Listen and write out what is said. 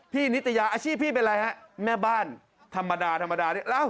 พี่นิตยาอาชีพพี่เป็นอะไรครับแม่บ้านธรรมดานี่